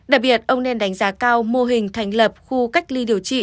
đặc biệt ông nên đánh giá cao mô hình thành lập khu cách ly điều trị